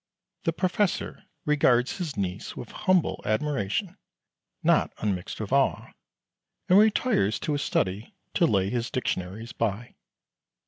The Professor regards his niece with humble admiration not unmixed with awe, and retires to his study to lay his dictionaries by.